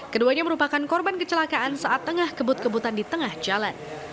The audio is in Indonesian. keduanya merupakan korban kecelakaan saat tengah kebut kebutan di tengah jalan